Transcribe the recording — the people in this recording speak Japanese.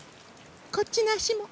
こっちのあしも。